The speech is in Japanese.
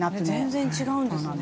全然違うんですね。